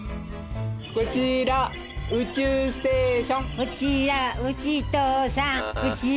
こちら宇宙ステーション。